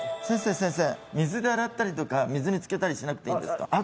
先生、先生、水で洗ったりとか、水につけたりしなくていいですか？